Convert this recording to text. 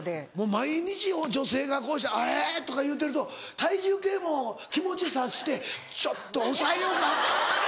毎日女性がこうしてえ⁉とか言うてると体重計も気持ち察して「ちょっと抑えようか」。